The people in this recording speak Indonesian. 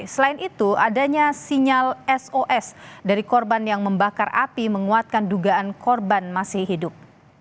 selain itu adanya sinyal sos dari korban yang membakar api menguatkan dugaan korban masih hidup